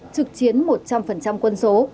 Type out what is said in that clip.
trực chiến một trăm linh quân số